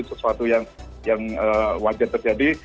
sesuatu yang wajar terjadi